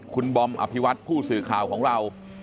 คุณบอมอภิวัตผู้สื่อข่าวของเรา